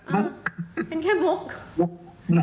เป็นแค่มุก